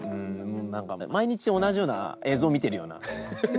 なんか毎日同じような映像見てるような。